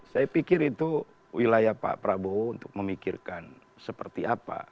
saya pikir itu wilayah pak prabowo untuk memikirkan seperti apa